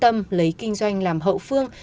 tâm lấy kinh doanh làm hậu phương